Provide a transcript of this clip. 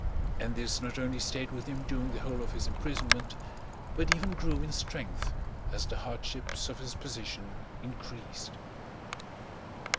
And this not only stayed with him during the whole of his imprisonment, but even grew in strength as the hardships of his position increased.